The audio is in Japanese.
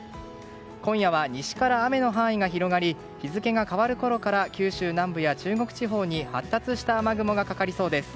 今夜は西から雨の範囲が広がり日付が変わるころから九州南部や中国地方に発達した雨雲がかかりそうです。